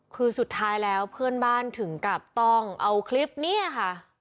คือสุดท้ายแล้วเพื่อนบ้านถึงกับต้องเอาคลิปนี้ค่ะ